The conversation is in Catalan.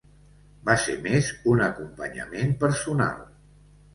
Va ser més un acompanyament personal.